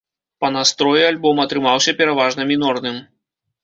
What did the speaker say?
Па настроі альбом атрымаўся пераважна мінорным.